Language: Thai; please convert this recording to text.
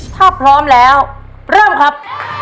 ถ้าพร้อมแล้วเริ่มครับ